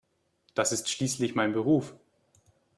Das ist schließlich mein Beruf.